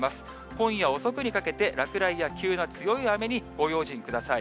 今夜遅くにかけて落雷や急な強い雨にご用心ください。